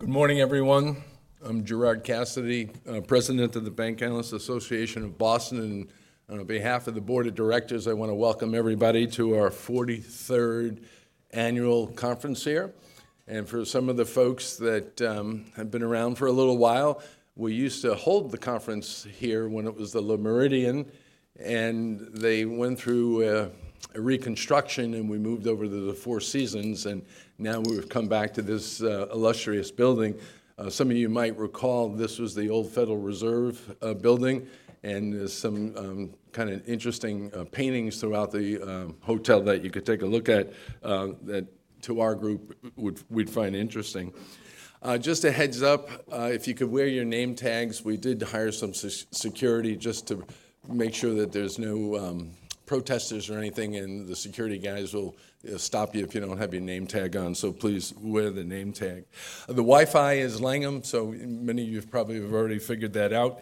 Good morning, everyone. I'm Gerard Cassidy, president of the BancAnalysts Association of Boston. And on behalf of the Board of Directors, I want to welcome everybody to our 43rd annual conference here. And for some of the folks that have been around for a little while. We used to hold the conference here when it was the Le Méridien and they went through a reconstruction and we moved over to the Four Seasons, and now we've come back to this illustrious building. Some of you might recall this was the old Federal Reserve Bank Building. And there's some kind of interesting paintings throughout the hotel that you could take a look at. That, to our group, we'd find interesting. Just a heads up if you could wear your name tags. We did hire some security just to make sure that there's no protesters or anything, and the security guys will stop you if you don't have your name tag on. So please wear the name tag. The Wi-Fi is Langham, so many of you probably have already figured that out,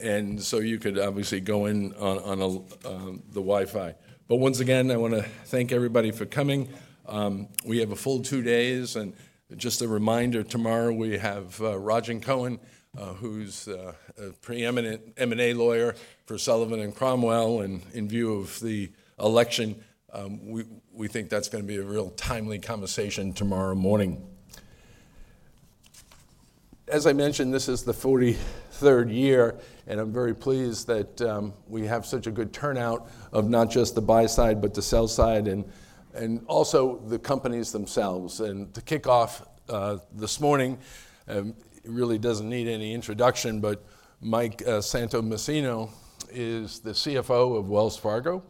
and so you could obviously go in on the Wi-Fi. But once again, I want to thank everybody for coming. We have a full two days and just a reminder, tomorrow we have Rodgin Cohen, who's a preeminent M&A lawyer for Sullivan & Cromwell. And in view of the election, we think that's going to be a real timely conversation tomorrow morning. As I mentioned, this is the 43rd year and I'm very pleased that we have such a good turnout of not just the buy side, but the sell side and also the companies themselves. And to kick off this morning really doesn't need any introduction, but Mike Santomassimo is the CFO of Wells Fargo.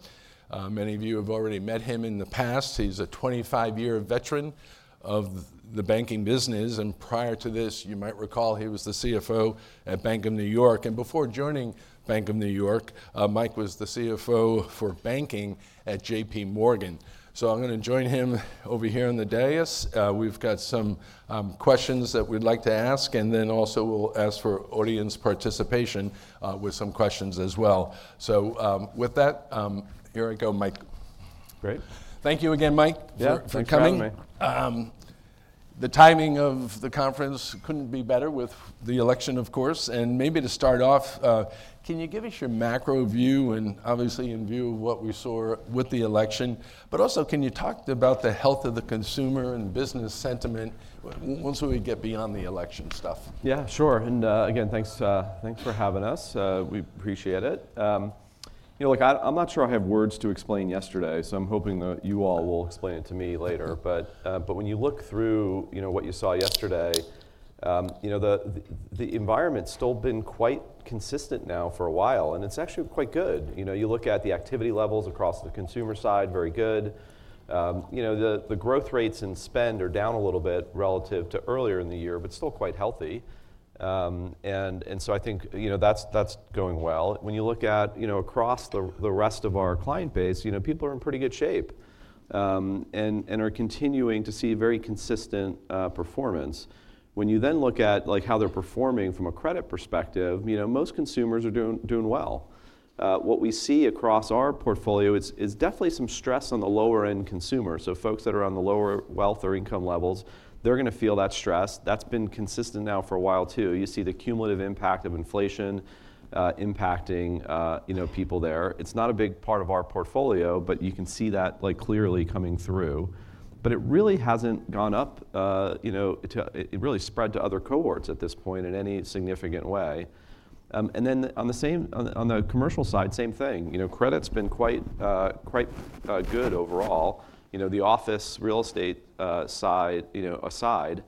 Many of you have already met him in the past. He's a 25-year veteran of the banking business. And prior to this, you might recall, he was the CFO at Bank of New York. And before joining Bank of New York, Mike was the CFO for banking at JPMorgan. So I'm going to join him over here in the dais. We've got some questions that we'd like to ask and then also we'll ask for audience participation with some questions as well. So with that, here I go, Mike. Great. Thank you again, Mike, for coming. The timing of the conference couldn't be better with the election, of course. And maybe to start off, can you give us your macro view and obviously in view of what we saw with the election, but also can you talk about the health of the consumer and business sentiment once we get beyond the election stuff? Yeah, sure. And again, thanks for having us. We appreciate it. I'm not sure I have words to explain yesterday, so I'm hoping that you all will explain it to me later. But when you look through what you saw yesterday, the environment's still been quite consistent now for a while and it's actually quite good. You look at the activity levels across the consumer side, very good. The growth rates in space are down a little bit relative to earlier in the year, but still quite healthy. And so I think that's going well. When you look at across the rest of our client base, people are in pretty good shape and are continuing to see very consistent performance. When you then look at how they're performing from a credit perspective, most consumers are doing well. What we see across our portfolio is definitely some stress on the lower end consumer. So folks that are on the lower wealth or income levels, they're going to feel that stress. That's been consistent now for a while too. You see the cumulative impact of inflation impacting people there. It's not a big part of our portfolio, but you can see that clearly coming through. But it really hasn't gone up. It really spread to other cohorts at this point in any significant way. And then on the commercial side, same thing. Credit's been quite good overall, you know, the office real estate side, you know, aside,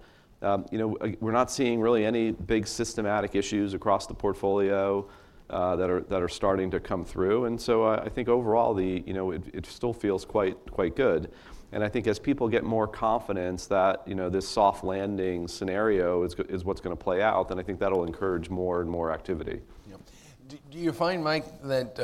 you know, we're not seeing really any big systematic issues across the portfolio that are starting to come through. And so I think overall the, you know, it still feels quite good. I think as people get more confidence that, you know, this soft landing scenario is what's going to play out, then I think that'll encourage more and more activity. Do you find, Mike, that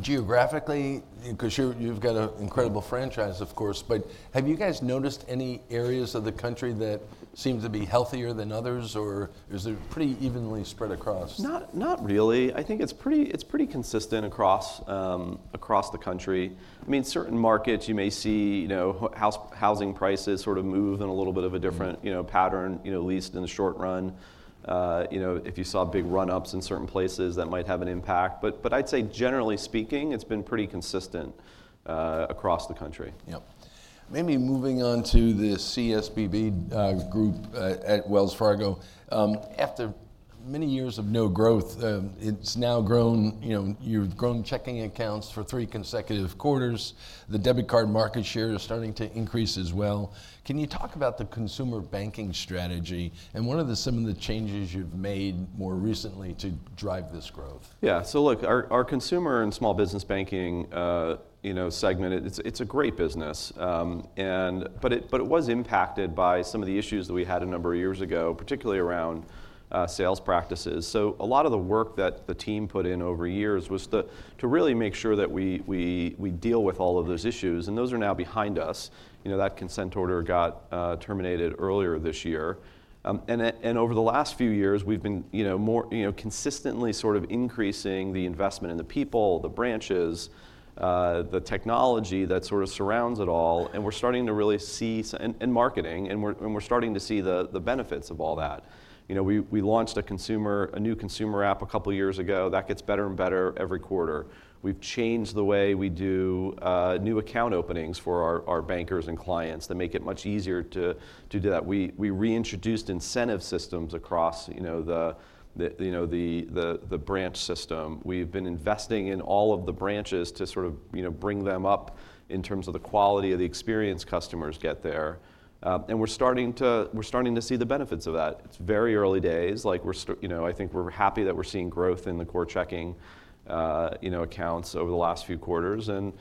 geographically because you've got an incredible franchise of course. But have you guys noticed any areas of the country that seem to be healthier than others or is it pretty evenly spread across? Not really. I think it's pretty consistent across the country. I mean certain markets you may see housing prices sort of move in a little bit of a different pattern. Least in the short run, you know, if you saw big run ups in certain places, that might have an impact. But I'd say generally speaking, it's been pretty consistent across the country. Yep. Maybe moving on to the CSBB Group at Wells Fargo. After many years of no growth, it's now grown. You know, you've grown checking accounts for three consecutive quarters. The debit card market share is starting to increase as well. Can you talk about the consumer banking strategy and what are some of the changes you've made more recently? To drive this growth. Yeah. So look, our Consumer and Small Business Banking segment. It's a great business, but it was impacted by some of the issues that we had a number of years ago, particularly around sales practices. So a lot of the work that the team put in over years was to really make sure that we deal with all of those issues, and those are now behind us. You know, that Consent Order got terminated earlier this year. Over the last few years, we've been consistently sort of increasing the investment in the people, the branches, the technology that sort of surrounds it all. We're starting to really see in marketing, and we're starting to see the benefits of all that. We launched a new consumer app a couple years ago that gets better and better every quarter. We've changed the way we do new account openings for our bankers and clients, that make it much easier to do that. We reintroduced incentive systems across the branch system. We've been investing in all of the branches to bring them up in terms of the quality of the experience customers get there, and we're starting to see the benefits of that. It's very early days. I think we're happy that we're seeing growth in the core checking accounts over the last few quarters, and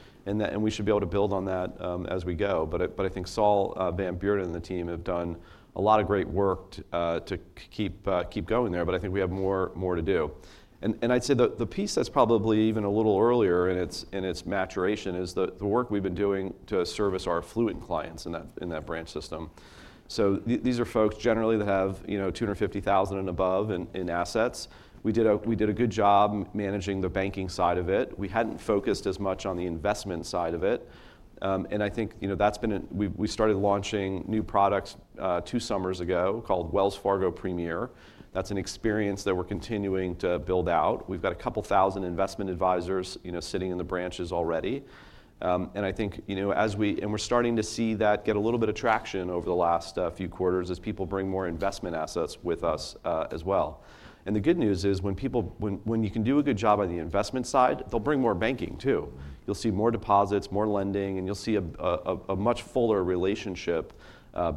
we should be able to build on that as we go, but I think Saul Van Beurden and the team have done a lot of great work to keep going there, but I think we have more to do. And I'd say the piece that's probably even a little earlier in its maturation is the work we've been doing to service our affluent clients in that branch system. So these are folks generally that have $250,000 and above in assets. We did a good job managing the banking side of it. We hadn't focused as much on the investment side of it. And I think, you know, that's been. We started launching new products two summers ago called Wells Fargo Premier. That's an experience that we're continuing to build out. We've got a couple thousand investment advisors sitting in the branches already. And I think, you know, as we. And we're starting to see that get a little bit of traction over the last few quarters as people bring more investment assets with us as well. And the good news is when you can do a good job on the investment side, they'll bring more banking, too. You'll see more deposits, more lending, and you'll see a much fuller relationship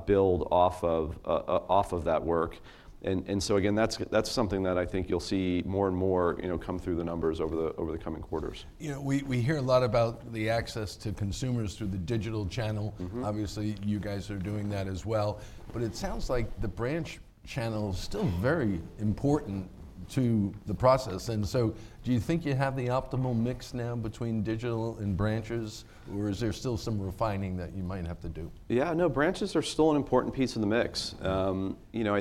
build off of that work. And so, again, that's something that I think you'll see more and more come through the numbers over the coming quarters. We hear a lot about the access to consumers through the digital channel. Obviously you guys are doing that as well. But it sounds like the branch channel is still very important to the process. And so do you think you have the optimal mix now between digital and branches or is there still some refining that you might have to do? Yeah, no, branches are still an important piece of the mix.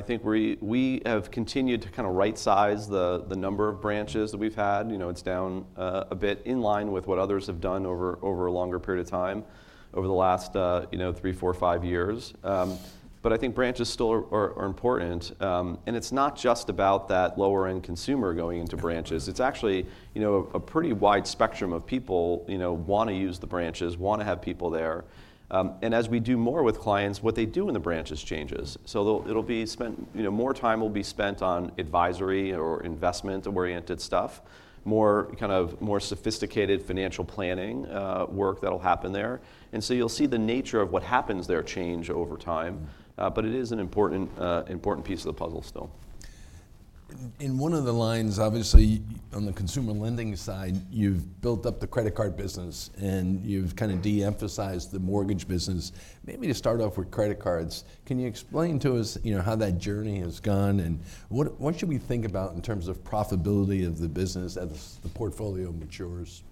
I think we have continued to kind of right size the number of branches that we've had. It's down a bit in line with what others have done over a longer period of time over the last three, four, five years. But I think branches still are important and it's not just about that lower end consumer going into branches. It's actually a pretty wide spectrum of people want to use the branches, want to have people there. And as we do more with clients, what they do in the branches changes. So it'll be spent. More time will be spent on advisory or investment oriented stuff, more kind of more sophisticated financial planning work that'll happen there. And so you'll see the nature of what happens there change over time. But it is an important piece of the puzzle still in one of the. Lending, obviously on the consumer lending side, you've built up the credit card business and you've kind of deemphasized the mortgage business maybe to start off with credit cards. Can you explain to us how that journey has gone and what should we think about in terms of profitability of the business as the portfolio matures?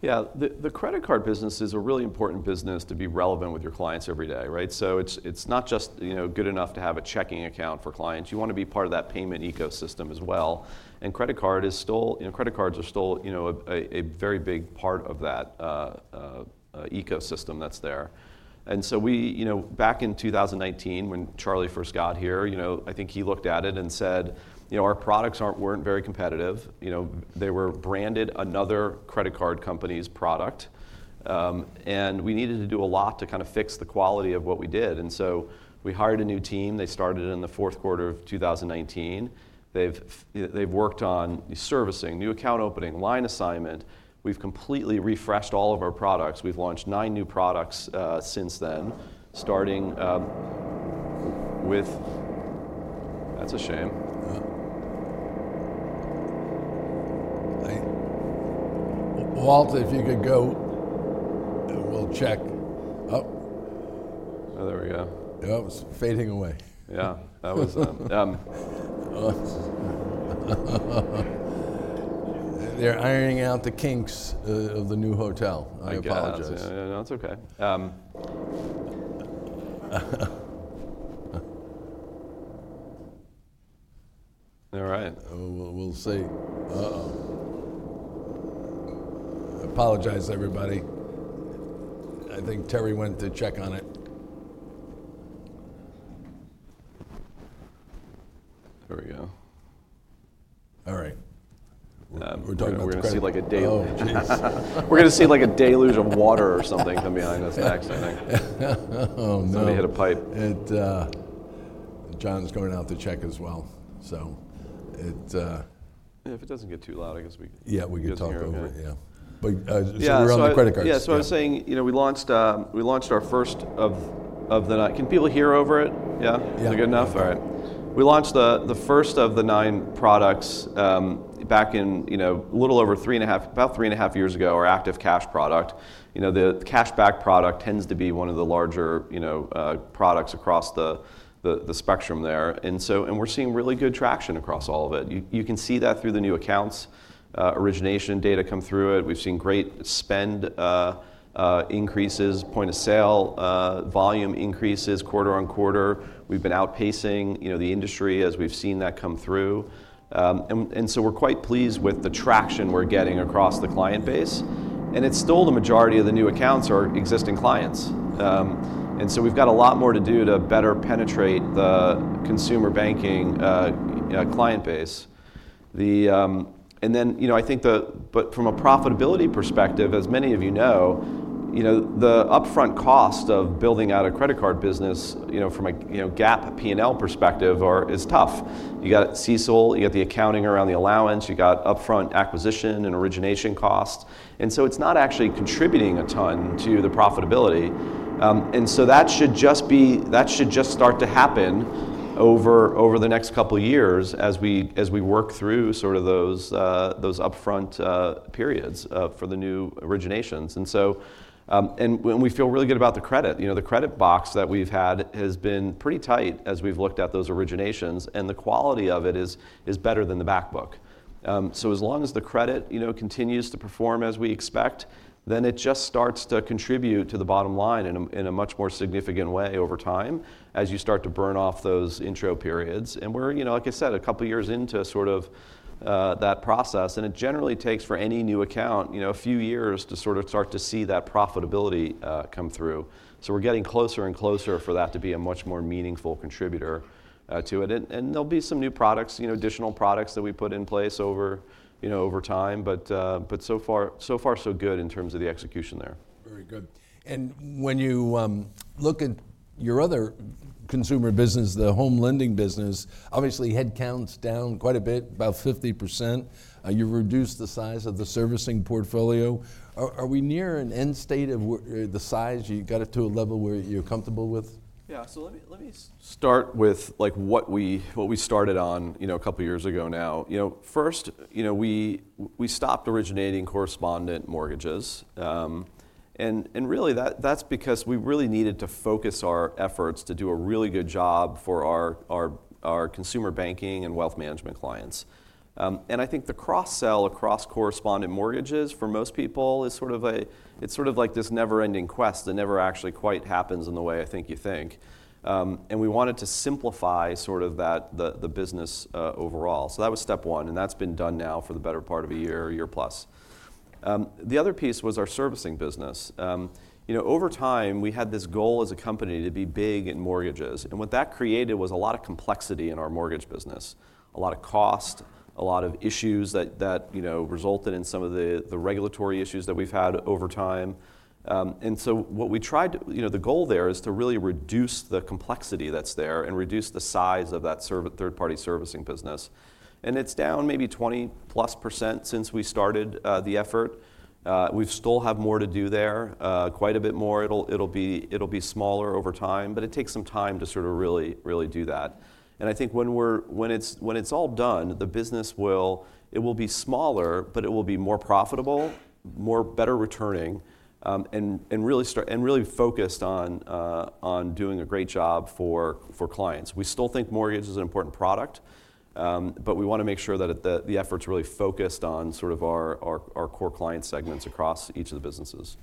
Yeah, the credit card business is a really important business to be relevant with your clients every day. Right. So it's not just good enough to have a checking account for clients. You want to be part of that payment ecosystem as well. And credit card is still. Credit cards are still a very big part of that ecosystem that's there. And so we. Back in 2019, when Charlie first got here, I think he looked at it and said our products weren't very competitive. They were branded another credit card company's product and we needed to do a lot to kind of fix the quality of what we did. And so we hired a new team. They started in the fourth quarter of 2019. They've worked on servicing new account opening line assignment. We've completely refreshed all of our products. We've launched nine new products since then. Starting with. That's a shame. Walter, if you could go. We'll check. Oh, there we go. Oh, it's fading away. Yeah, that was. They're ironing out the kinks of the new hotel. I apologize. That's okay. All right, we'll see. Uh. Oh. Apologize, everybody. I think Terry went to check on it. There we go. All right. We're seeing like a deluge. We're going to see like a deluge of water or something come behind us next. I think somebody hit a pipe. John's going out to check as well. So, if it doesn't get too loud, I guess we. Yeah, we could talk over it. Yeah, we're on the credit card. Yeah. So I was saying, you know, we launched our first of the. Can people hear over it? Yeah. Is it good enough? All right. We launched the first of the nine products back in, you know, a little over 3.5, about 3.5 years ago. Our Active Cash product, the cash back product, tends to be one of the larger products across the spectrum there. And we're seeing really good traction across all of it. You can see that through the new accounts origination data come through it. We've seen great spend increases, point of sale, volume increases, quarter on quarter. We've been outpacing the industry as we've seen that come through. And so we're quite pleased with the traction we're getting across the client base. And it's still. The majority of the new accounts are existing clients. And so we've got a lot more to do to better penetrate the consumer banking client base. And then, you know, I think. But from a profitability perspective, as many of you know, you know, the upfront cost of building out a credit card business, you know, from a GAAP P&L perspective is tough. You got CECL, you got the accounting around the allowance, you got upfront acquisition and origination costs. And so it's not actually contributing a ton to the profitability. And so that should just be. That should just start to happen over the next couple years as we work through sort of those upfront periods for the new originations. And so. And we feel really good about the credit. You know, the credit box that we've had has been pretty tight as we've looked at those originations. And the quality of it is. It's better than the back book. So as long as the credit continues to perform as we expect, then it just starts to contribute to the bottom line in a much more significant way over time as you start to burn off those intro periods. And we're, like I said, a couple years into that process and it generally takes for any new account a few years to start to see that profitability come through. We're getting closer and closer for that to be a much more meaningful contributor to it. And there'll be some new products, you know, additional products that we put in place over, you know, over time. But so far so good in terms of the execution there. Very good. When you look at your other consumer business, the home lending business, obviously headcount's down quite a bit, about 50%. You've reduced the size of the servicing portfolio. Are we near an end state of the size? You got it to a level where you're comfortable with? Yeah. So let me start with what we started on a couple years ago now. First we stopped originating correspondent mortgages and really that's because we really needed to focus our efforts to do a really good job for our consumer banking and wealth management clients. And I think the cross sell across correspondent mortgages for most people is sort of a. It's sort of like this never ending quest that never actually quite happens in the way I think you think. And we wanted to simplify sort of the business overall. So that was step one and that's been done now for the better part of a year, year plus. The other piece was our servicing business. You know, over time we had this goal as a company to be big in mortgages. And what that created was a lot of complexity in our mortgage business. A lot of cost, a lot of issues that, you know, resulted in some of the regulatory issues that we've had over time, and so what we tried, the goal there is to really reduce the complexity that's there and reduce the size of that third party servicing business, and it's down maybe 20%+ since we started the effort. We still have more to do there, quite a bit more. It'll be smaller over time but it takes some time to sort of really do that, and I think when it's all done, the business will, it will be smaller but it will be more profitable, more better returning and really focused on doing a great job for clients. We still think mortgage is an important product but we want to make sure that the effort's really focused on sort of our core client segments across each of the businesses.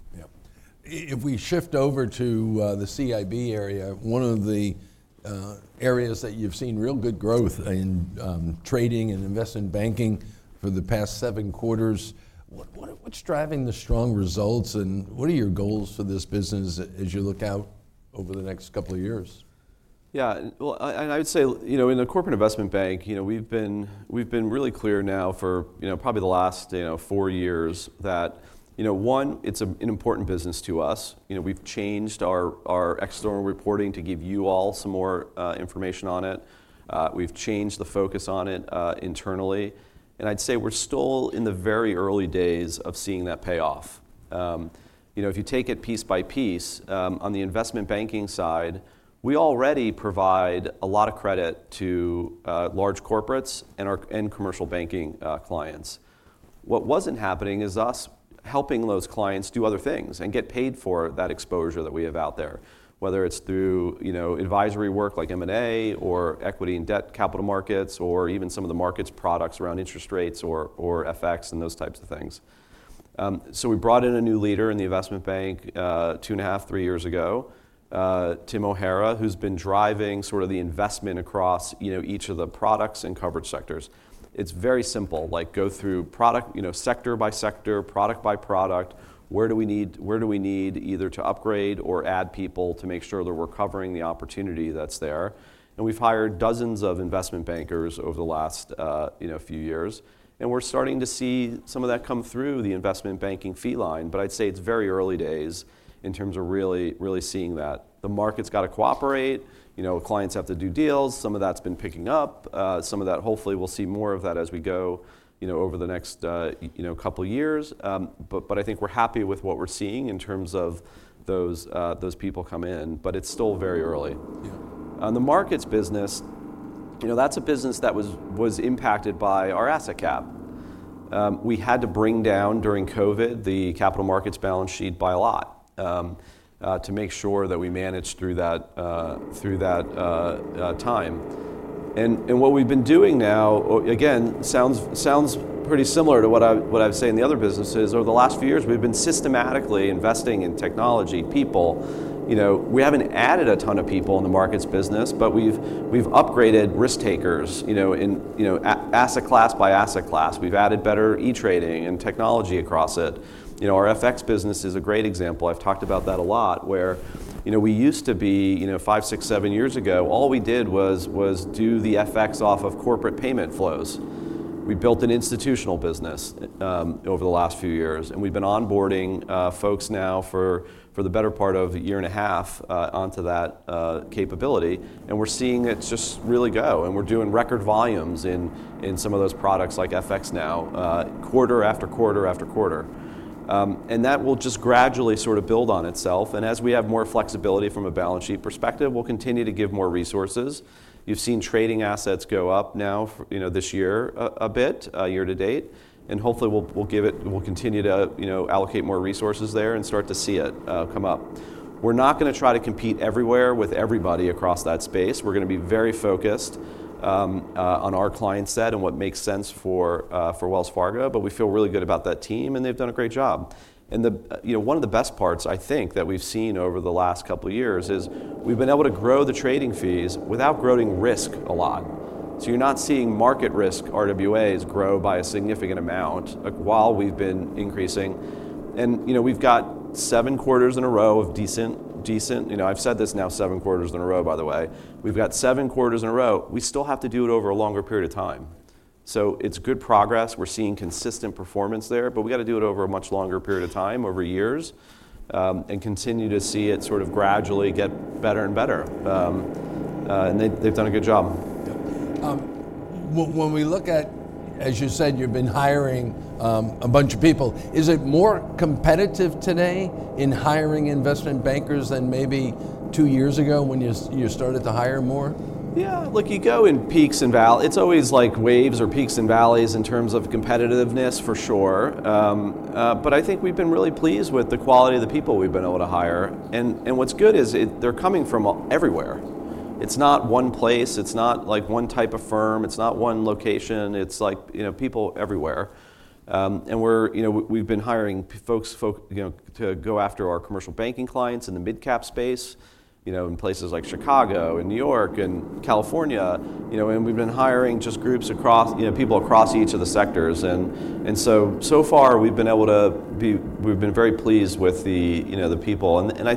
If we shift over to the CIB area, one of the areas that you've seen real good growth in trading and investment banking for the past seven quarters. What's driving the strong results and what are your goals for this business as you look out over the next couple of years? Yeah, well I would say in the Corporate Investment Bank we've been really clear now for probably the last four years that one, it's an important business to us. We've changed our external reporting to give you all some more information on it. We've changed the focus on it internally. And I'd say we're still in the very early days of seeing that payoff if you take it piece by piece. On the investment banking side, we already provide a lot of credit to large corporates and commercial banking clients. What wasn't happening is us helping those clients do other things and get paid for that exposure that we have out there, whether it's through advisory work like M&A or equity and debt capital markets, or even some of the markets products around interest rates or FX and those types of things. So we brought in a new leader in the investment bank two and a half, three years ago, Tim O'Hara, who's been driving sort of the investment across each of the products and coverage sectors. It's very simple, like go through product sector by sector, product by product. Where do we need either to upgrade or add people to make sure that we're covering the opportunity that's there. And we've hired dozens of investment bankers over the last few years and we're starting to see some of that come through the investment banking fee line. But I'd say it's very early days in terms of really seeing that the market's got to cooperate, clients have to do deals. Some of that's been picking up, some of that. Hopefully we'll see more of that as we go over the next couple years. But I think we're happy with what we're seeing in terms of those people come in. But it's still very early. The markets business, that's a business that was impacted by our asset cap. We had to bring down during COVID the capital markets balance sheet by a lot to make sure that we managed through that time. And what we've been doing now again sounds pretty similar to what I've seen in the other businesses over the last few years. We've been systematically investing in technology people. We haven't added a ton of people in the markets business, but we've upgraded risk takers asset class by asset class. We've added better e-trading and technology across it. Our FX business is a great example. I've talked about that a lot. Where, you know, we used to be, you know, five, six, seven years ago, all we did was do the FX off of corporate payment flows. We built an institutional business over the last few years and we've been onboarding folks now for the better part of a year and a half onto that capability. And we're seeing it just really go. And we're doing record volumes in some of those products like FX now quarter after quarter after quarter. And that will just gradually sort of build on itself. And as we have more flexibility from a balance sheet perspective, we'll continue to give more resources. You've seen trading assets go up now this year a bit year to date, and hopefully we'll continue to allocate more resources there and start to see it come up. We're not going to try to compete everywhere with everybody across that space. We're going to be very focused on our clients that and what makes sense for Wells Fargo. But we feel really good about that team and they've done a great job. And one of the best parts I think that we've seen over the last couple years is we've been able to grow the trading fees without growing risk a lot. So you're not seeing market risk RWAs grow by a significant amount while we've been increasing. And we've got seven quarters in a row of decent, I've said this now, seven quarters in a row, by the way. We've got seven quarters in a row. We still have to do it over a longer period of time. So it's good progress. We're seeing consistent performance there, but we got to do it over a much longer period of time, over years, and continue to see it sort of gradually get better and better and they've done a good job. When we look at, as you said, you've been hiring a bunch of people, is it more competitive today in hiring investment bankers than maybe two years ago when you started to hire more? Yeah, look, you go in peaks and valleys. It's always like waves or peaks and valleys in terms of competitiveness for sure. But I think we've been really pleased with the quality of the people we've been able to hire. And what's good is they're coming from everywhere. It's not one place. It's not like one type of firm. It's not one location. It's like, you know, people everywhere. And we're, you know, we've been hiring folks to go after our commercial banking clients in the mid cap space in places like Chicago and New York and California. And we've been hiring just groups across people across each of the sectors and so far we've been able to. We've been very pleased with the people and I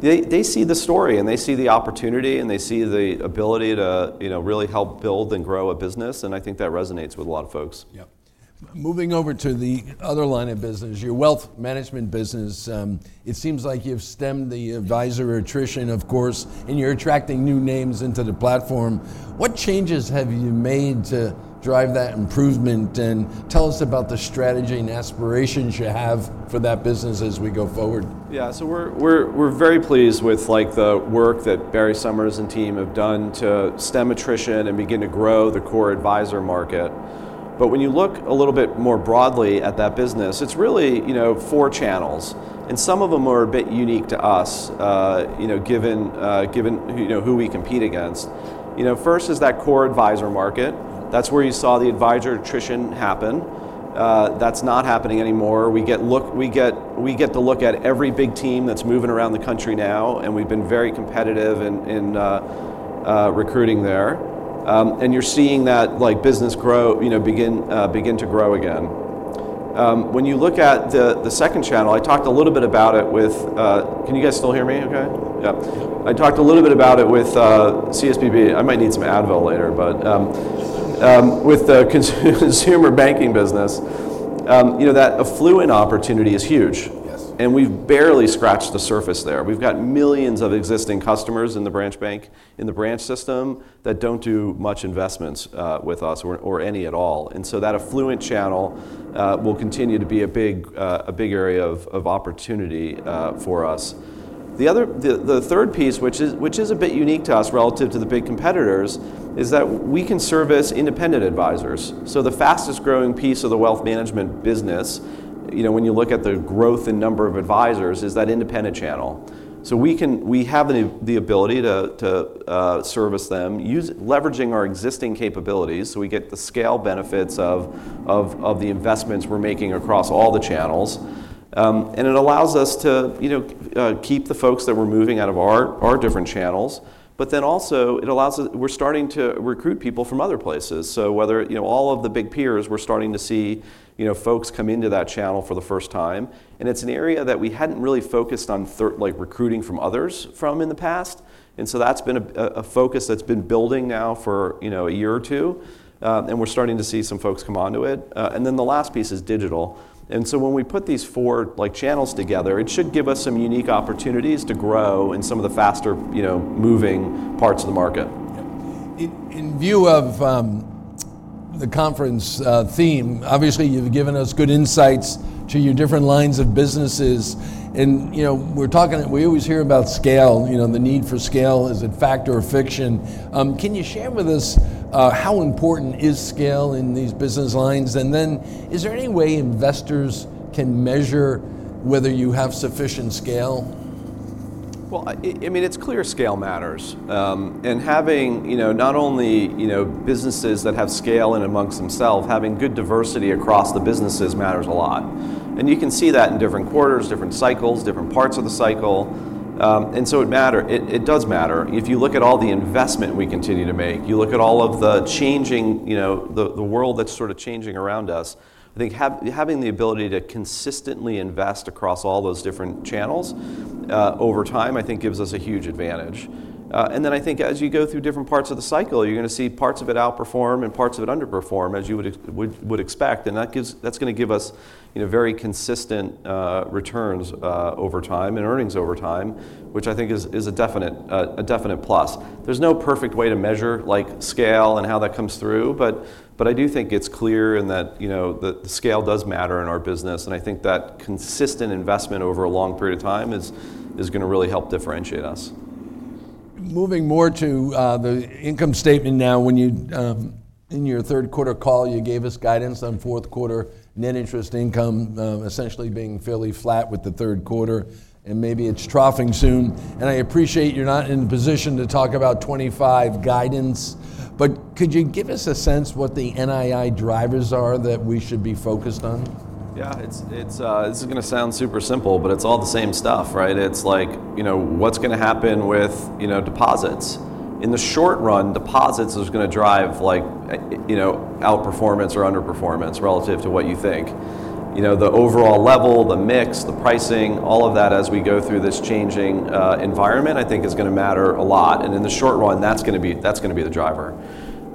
think they see the story and they see the opportunity and they see the ability to really help build and grow a business. I think that resonates with a lot of folks. Yep. Moving over to the other line of business, your wealth management business, it seems like you've stemmed the advisor attrition, of course, and you're attracting new names into the platform. What changes have you made to drive that improvement, and tell us about the strategy and aspirations you have for that business as we go forward. Yeah. So we're very pleased with the work that Barry Sommers and team have done to stem the attrition and begin to grow the core advisor market. But when you look a little bit more broadly at that business, it's really four channels and some of them are a bit unique to us given who we compete against. First is that core advisor market. That's where you saw the advisor attrition happen. That's not happening anymore. We get to look at every big team that's moving around the country now and we've been very competitive in recruiting there. And you're seeing that like business grow, you know, begin to grow again. When you look at the second channel, I talked a little bit about it with. Can you guys still hear me okay? Yeah, I talked a little bit about it with CSBB. I might need some Advil later. But with the consumer banking business, you know, that affluent opportunity is huge and we've barely scratched the surface there. We've got millions of existing customers in the branch banking system that don't do much investments with us or any at all. And so that affluent channel will continue to be a big area of opportunity for us. The third piece, which is a bit unique to us relative to the big competitors, is that we can service independent advisors. So the fastest growing piece of the wealth management business, you know, when you look at the growth in number of advisors, is that independent channel. So we have the ability to service them leveraging our existing capabilities so we get the scale benefits of the investments we're making across all the channels and it allows us to keep the folks that we're moving out of our different channels. But then also we're starting to recruit people from other places. So whether all of the big peers, we're starting to see folks come into that channel for the first time. And it's an area that we hadn't really focused on recruiting from others in the past. And so that's been a focus that's been building now for a year or two and we're starting to see some folks come onto it. And then the last piece is digital. When we put these four channels together, it should give us some unique opportunities to grow in some of the faster moving parts of the market. In view of the conference theme, obviously you've given us good insights to your different lines of businesses, and you know, we're talking, we always hear about scale, you know, the need for scale. Is it fact or fiction? Can you share with us how important is scale in these business lines, and then is there any way investors can measure whether you have sufficient scale? I mean, it's clear scale matters. Having not only businesses that have scale in amongst themselves, having good diversity across the businesses matters a lot. You can see that in different quarters, different cycles, different parts of the cycle. It does matter. If you look at all the investment we continue to make, you look at all of the changing the world that's sort of changing around us. I think having the ability to consistently invest across all those different channels over time I think gives us a huge advantage. I think as you go through different parts of the cycle, you're going to see parts of it outperform and parts of it underperform, as you would expect. That's going to give us very consistent returns over time and earnings over time, which I think is a definite plus. There's no perfect way to measure scale and how that comes through, but I do think it's clear in that the scale does matter in our business and I think that consistent investment over a long period of time is going to really help differentiate us. Moving more to the income statement now, when you, in your third quarter call, you gave us guidance on fourth quarter net interest income essentially being fairly flat with the third quarter and maybe it's troughing soon and I appreciate you're not in a position to talk about 25 guidance, but could you give us a sense what the NII drivers are that we should be focused on? Yeah, this is going to sound super simple, but it's all the same stuff, right? It's like what's going to happen with deposits in the short run. Deposits is going to drive outperformance or underperformance relative to what you think the overall level, the mix, the pricing, all of that as we go through this changing environment, I think is going to matter a lot. And in the short run that's going to be the driver.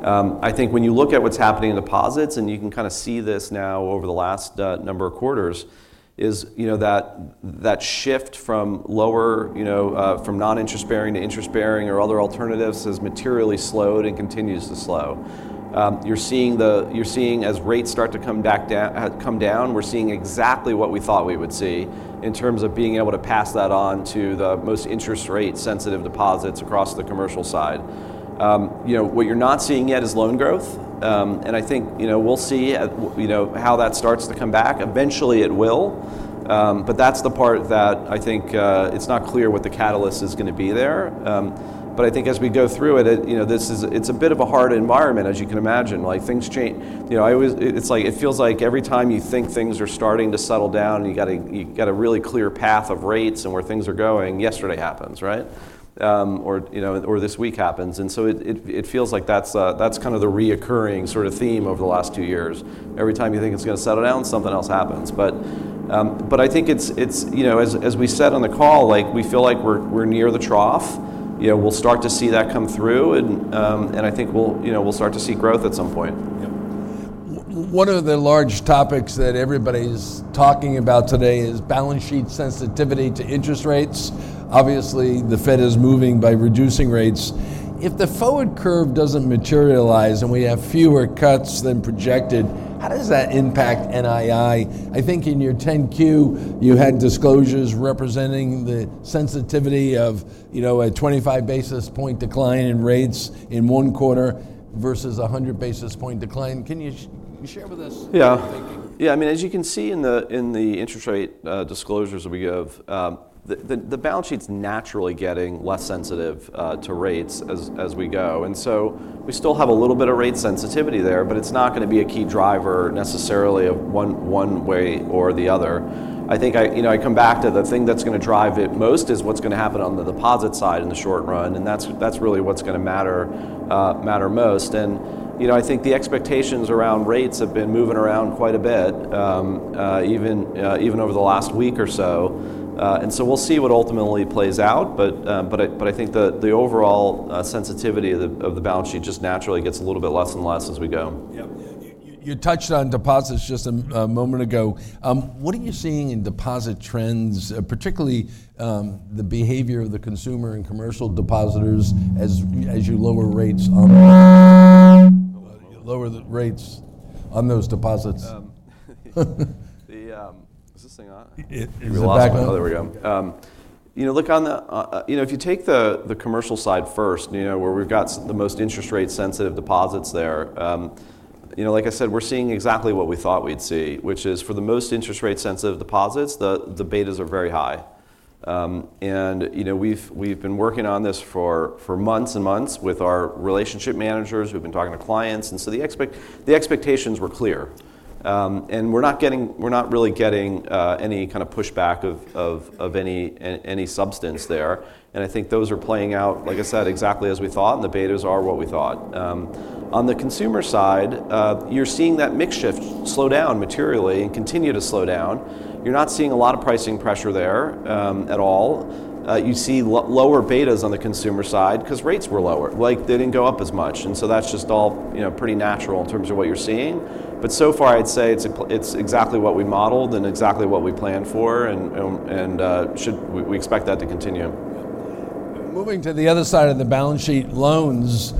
I think when you look at what's happening in deposits and you can kind of see this now over the last number of quarters is, you know, that shift from lower, you know, from non interest bearing to interest bearing or other alternatives has materially slowed and continues to slow. You're seeing as rates start to come back down. We're seeing exactly what we thought we would see in terms of being able to pass that on to the most interest-rate-sensitive deposits across the commercial side. You know, what you're not seeing yet is loan growth, and I think we'll see how that starts to come back eventually. It will, but that's the part that I think it's not clear what the catalyst is going to be there, but I think as we go through it, it's a bit of a hard environment, as you can imagine. Things change. It feels like every time you think things are starting to settle down, you've got a really clear path of rates and where things are going. Yesterday happened, right? Or, you know, or this week happens, and so it feels like that's, that's kind of the recurring sort of theme over the last two years. Every time you think it's going to settle down, something else happens. But I think it's, you know, as we said on the call, like we feel like we're near the trough. You know, we'll start to see that come through and I think we'll start to see growth at some point. One of the large topics that everybody's talking about today is balance sheet sensitivity to interest rates. Obviously the Fed is moving by reducing rates. If the forward curve doesn't materialize and we have fewer cuts than projected, how does that impact NII? I think in your 10-Q, you had disclosures representing the sensitivity of, you know, a 25 basis points decline in rates in one quarter versus 100 basis points decline. Can you share with us? Yeah, yeah. I mean, as you can see in the, in the interest rate disclosures that we give, the balance sheet's naturally getting less sensitive to rates as we go. And so we still have a little bit of rate sensitivity there, but it's not going to be a key driver necessarily of one way or the other. I think I come back to the thing that's going to drive it most is what's going to happen on the deposit side in the short run. And that's really what's going to matter most. And I think the expectations around rates have been moving around quite a bit even over the last week or so. And so we'll see what ultimately plays out. But I think the overall sensitivity of the balance sheet just naturally gets a little bit less and less as we go. You touched on deposits just a moment ago. What are you seeing in deposit trends, particularly the behavior of the consumer and commercial depositors as you lower rates, lower the rates on those deposits? Is this thing on? There we go. You know, look, on the, you know, if you take the commercial side first, you know, where we've got the most interest rate sensitive deposits there, you know, like I said, we're seeing exactly what we thought we'd see, which is for the most interest rate sensitive deposits, the betas are very high. You know, we've been working on this for months and months with our relationship managers. We've been talking to clients. So the expectations were clear and we're not really getting any kind of pushback of any substance there. I think those are playing out, like I said, exactly as we thought. The betas are what we thought. On the consumer side, you're seeing that mix shift slow down materially and continue to slow down. You're not seeing a lot of pricing pressure there at all. You see lower betas on the consumer side because rates were lower, like they didn't go up as much. And so that's just all pretty natural in terms of what you're seeing. But so far I'd say it's exactly what we modeled and exactly what we planned for. And we expect that to continue moving. To the other side of the balance sheet: loans.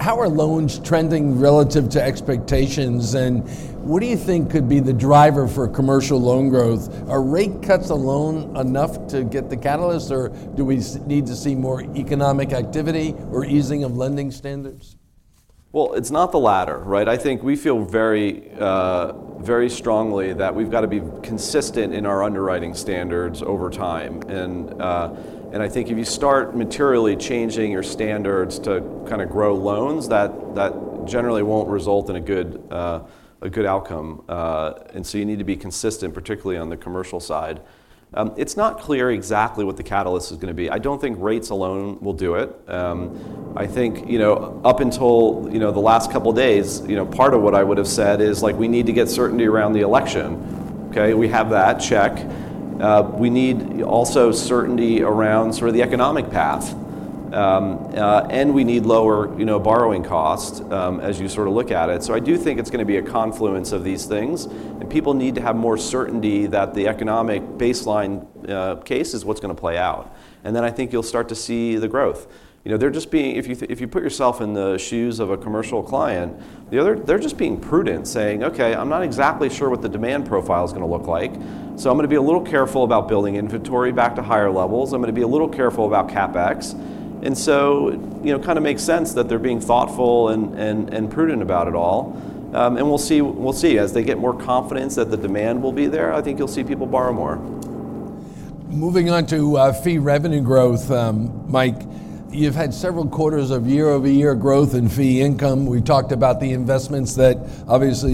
How are loans trending relative to expectations and what do you think could be the driver for commercial loan growth? Are rate cuts alone enough to get the catalyst, or do we need to see more economic activity or easing of lending standards? It's not the latter. Right. I think we feel very, very strongly that we've got to be consistent in our underwriting standards over time. And I think if you start materially changing your standards to kind of grow loans, that generally won't result in a good outcome. And so you need to be consistent. Particularly on the commercial side. It's not clear exactly what the catalyst is going to be. I don't think rates alone will do it. I think up until the last couple days, part of what I would have said is we need to get certainty around the election. We have that check. We need also certainty around the economic path and we need lower borrowing costs as you sort of look at it. So I do think it's going to be a confluence of these things, and people need to have more certainty that the economic baseline case is what's going to play out, and then I think you'll start to see the growth. They're just being, if you put yourself in the shoes of a commercial client, they're just being prudent, saying, okay, I'm not exactly sure what the demand profile is going to look like, so I'm going to be a little bit careful about building inventory back to higher levels. I'm going to be a little careful about CapEx, and so, you know, kind of makes sense that they're being thoughtful and prudent about it all, and we'll see, we'll see. As they get more confidence that the demand will be there, I think you'll see people borrow more. Moving on to fee revenue growth, Mike, you've had several quarters of year over year growth in fee income. We talked about the investments that obviously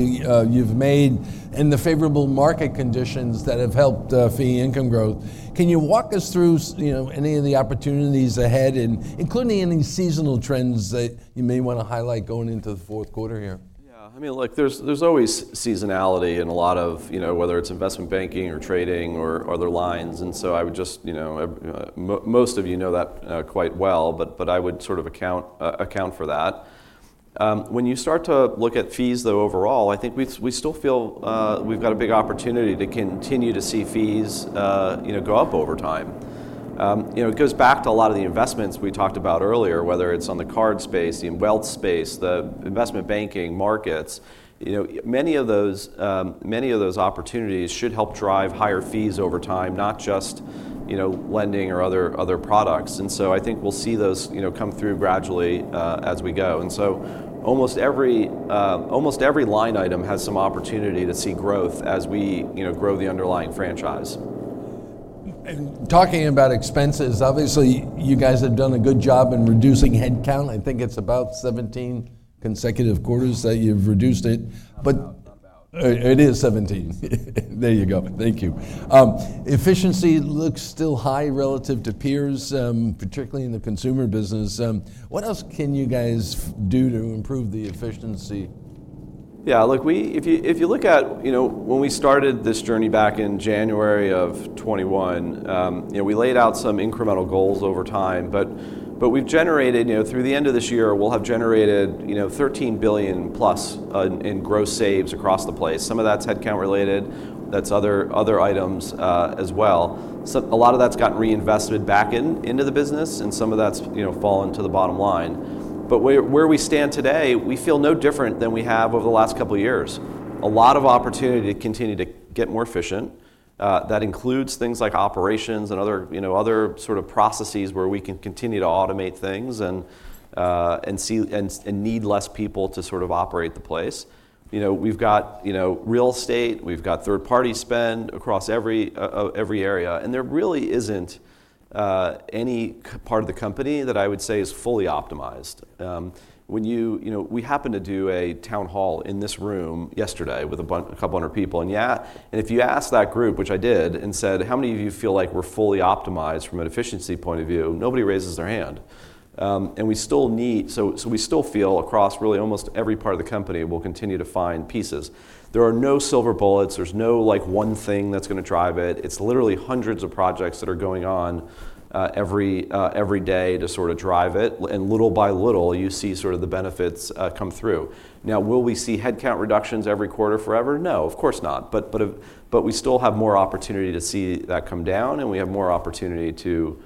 you've made and the favorable market conditions that have helped fee income growth. Can you walk us through any of the opportunities ahead and including any seasonal trends that you may want to highlight going into the fourth quarter here? Yeah, I mean, look, there's always seasonality in a lot of, you know, whether it's investment banking or trading or other lines. And so I would just, you know, most of you know that quite well, but I would sort of account for that. When you start to look at fees though, overall, I think we still feel we've got a big opportunity to continue to see fees go up over time. It goes back to a lot of the investments we talked about earlier, whether it's on the card space, the wealth space, the investment banking markets. Many of those opportunities should help drive higher fees over time, not just lending or other products. And so I think we'll see those come through gradually as we go. And so almost every line item has some opportunity to see growth as we grow the underlying franchise. Talking about expenses, obviously you guys have done a good job in reducing headcount. I think it's about 17 consecutive quarters that you've reduced it, but it is 17. There you go. Thank you. Efficiency looks still high relative to peers, particularly in the consumer business. What else can you guys do to improve the efficiency? Yeah, look, if you look at when we started this journey back in January of 2021, we laid out some incremental goals over time, but we've generated through the end of this year, we'll have generated $13 billion+ in gross saves across the place. Some of that's headcount related, that's other items as well. Some, a lot of that's gotten reinvested back into the business and some of that's fallen to the bottom line. But where we stand today, we feel no different than we have over the last couple years, a lot of opportunity to continue to get more efficient. That includes things like operations and other sort of processes where we can continue to automate things and need less people to sort of operate the place. We've got real estate, we've got third party spend across every area. There really isn't any part of the company that I would say is fully optimized. We happened to do a town hall in this room yesterday with a couple hundred people and if you ask that group, which I did, and said how many of you feel like we're fully optimized from an efficiency point of view, nobody raises their hand and we still need so we still feel across really almost every part of the company will continue to find pieces. There are no silver bullets. There's no like one thing that's going to drive it. It's literally hundreds of projects that are going on every day to sort of drive it. And little by little you see sort of the benefits come through. Now will we see headcount reductions every quarter forever? No, of course not. But we still have more opportunity to see that come down and we have more opportunity to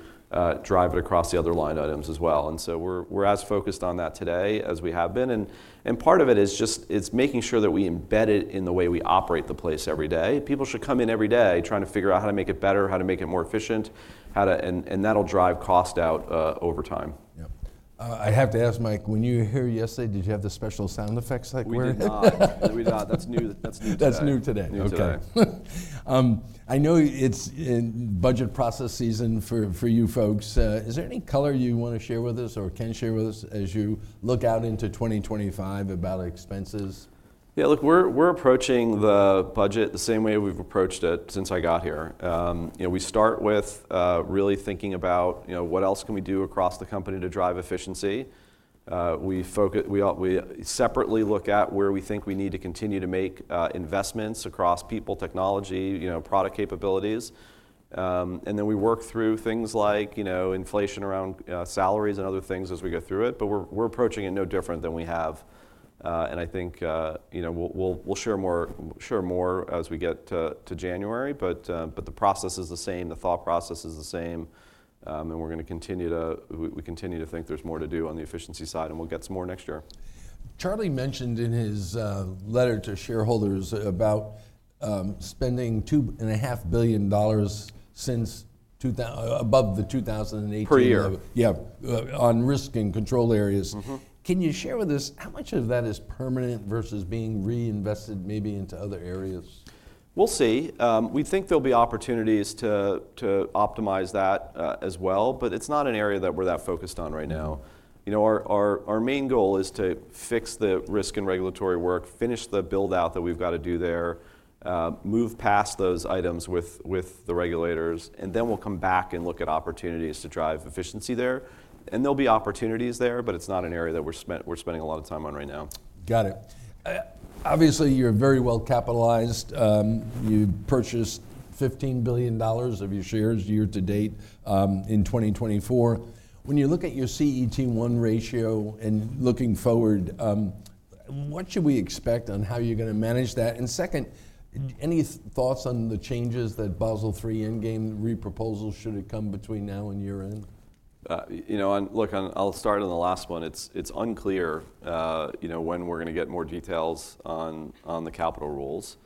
drive it across the other line items as well. And so we're as focused on that today as we have been. And part of it is just, it's making sure that we embed it in the way we operate the place every day. People should come in every day trying to figure out how to make it better, how to make it more efficient and that'll drive cost out over time. I have to ask Mike, when you were here yesterday, did you have the special sound effects that we heard? That's new today. That's new today. OK, I know it's budget process season for you folks. Is there any kind of color you want to share with us or can share with us as you look out into 2025 about expenses? Yeah, look, we're approaching the budget the same way we've approached it since I got here. We start with really thinking about what else can we do across the company to drive efficiency. We separately look at where we think we need to continue to make investments across people, technology, product capabilities. And then we work through things like inflation around salaries and other things as we go through it. But we're approaching it no different than we have and I think we'll share more as we get to January. But the process is the same, the thought process is the same and we're going to continue to think there's more to do on the efficiency side. And we'll get some more next year. Charlie mentioned in his letter to shareholders about spending $2.5 billion since above the 2018 per year. Yeah. On risk and control areas. Can you share with us how much of that is permanent versus being reinvested maybe into other areas? We'll see. We think there'll be opportunities to optimize that as well, but it's not an area that we're that focused on right now. You know, our main goal is to fix the risk and regulatory work, finish the build out that we've got to do there, move past those items with the regulators, and then we'll come back and look at opportunities to drive efficiency there, and there'll be opportunities there, but it's not an area that we're spending a lot of time on right now. Got it. Obviously, you're very well capitalized. You purchased $15 billion of your shares year to date in 2024. When you look at your CET1 ratio and looking forward, what should we expect on how you're going to manage that? And second, any thoughts on the changes that Basel III Endgame re-proposals should have come between now and year end? You know, look, I'll start on the last one. It's unclear, you know, when we're going to get more details on the capital rules.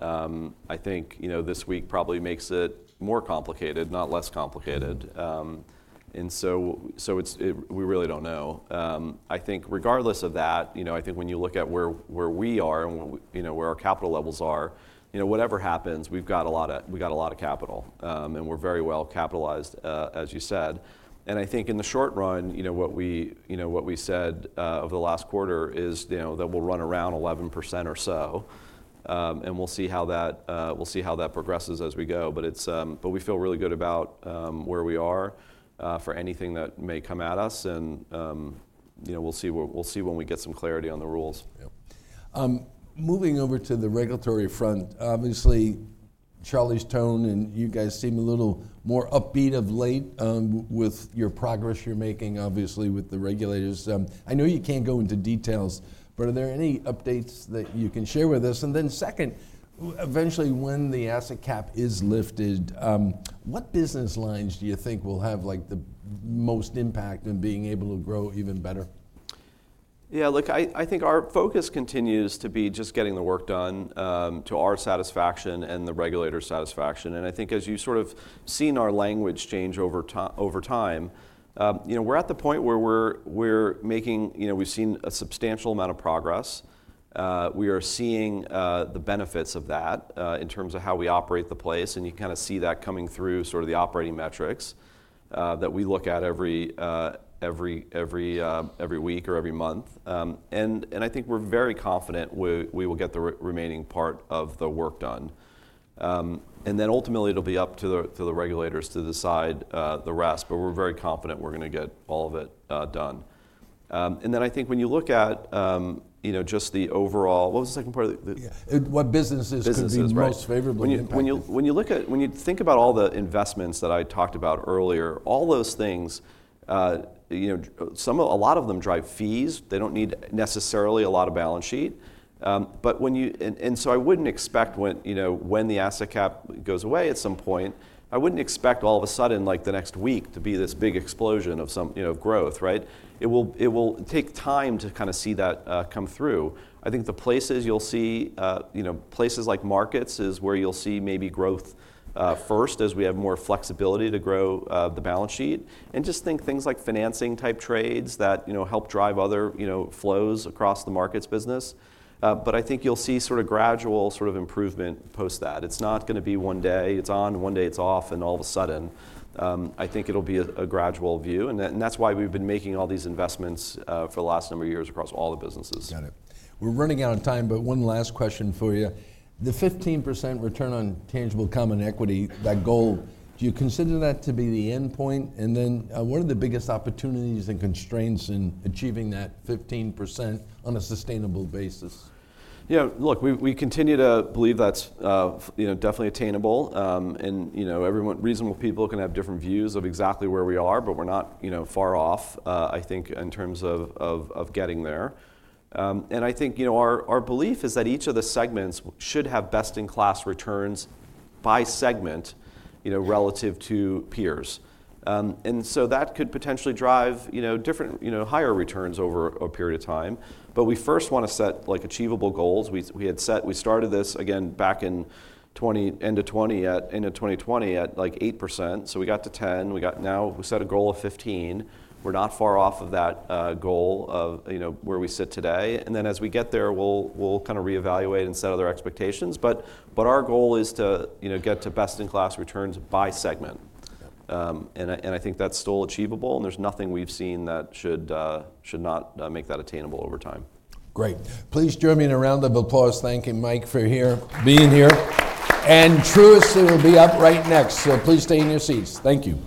I think this week probably makes it more complicated, not less complicated. And so we really don't know. I think regardless of that, I think when you look at where we are and where our capital levels are, whatever happens, we've got a lot of capital and we're very well capitalized, as you said. And I think in the short run, what we said over the last quarter is that we'll run around 11% or so and we'll see how that progresses as we go. But we feel really good about where we are for anything that may come at us. And, you know, we'll see when we get some clarity on the rules. Moving over to the regulatory front, obviously Charlie's tone, and you guys seem a little more upbeat of late with your progress you're making. Obviously with the regulators. I know you can't go into details, but are there any updates that you can share with us? And then second, eventually, when the asset cap is lifted, what business lines do you think will have the most impact in being able to grow even better? Yeah, look, I think our focus continues to be just getting the work done to our satisfaction and the regulator's satisfaction. And I think as you sort of seen our language change over time. You know, we're at the point where we're making, you know, we've seen a substantial amount of progress. We are seeing the benefits of that in terms of how we operate the place. And you kind of see that coming through sort of the operating metrics that we look at every week or every month. And I think we're very confident we will get the remaining part of the work done and then ultimately it'll be up to the regulators to decide the rest. But we're very confident we're going to get all of it done. And then I think when you look at just the overall what was the. Second part of the what businesses most favorably? When you think about all the investments that I talked about earlier, all those things, a lot of them drive fees. They don't need necessarily a lot of balance sheet. So I wouldn't expect when the asset cap goes away at some point, I wouldn't expect all of a sudden like the next week to be this big explosion of some growth. It will take time to kind of see that come through. I think the places you'll see, places like markets is where you'll see maybe growth first as we have more flexibility to grow the balance sheet and just think things like financing type trades that help drive other flows across the markets business. But I think you'll see sort of gradual sort of improvement post that. It's not going to be one day it's on, one day it's off, and all of a sudden I think it'll be a gradual view, and that's why we've been making all these investments for the last number of years across all the businesses. Got it. We're running out of time, but one last question for you. The 15% return on tangible common equity, that goal, do you consider that to be the end point? And then what are the biggest opportunities and constraints in achieving that 15% on a sustainable basis? Look, we continue to believe that's definitely attainable and reasonable people can have different views of exactly where we are. But we're not far off, I think in terms of getting there. And I think our belief is that each of the segments should have best in class returns by segment relative to peers. And so that could potentially drive different higher returns over a period of time. But we first want to set achievable goals. We started this again back in 2020 at like 8%. So we got to 10, now we set a goal of 15. We're not far off of that goal of where we sit today, and then as we get there, we'll kind of reevaluate and set other expectations. But our goal is to get to best in class returns by segment, and I think that's still achievable. There's nothing we've seen that should not make that attainable over time. Great. Please join me in a round of applause. Thank you, Mike, for being here, and Truist will be up right next, so please stay in your seats. Thank you.